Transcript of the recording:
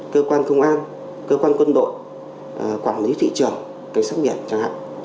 cơ quan công an cơ quan quân đội quản lý thị trường cảnh sát biển chẳng hạn